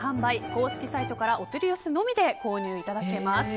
公式サイトからお取り寄せのみで購入いただけます。